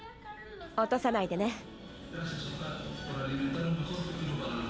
落とさないでね。